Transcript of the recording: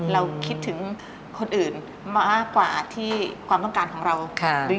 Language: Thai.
เราคิดถึงคนอื่นมามากกว่าที่ความต้องการของเรา